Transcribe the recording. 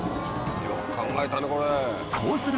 よく考えたねこれ。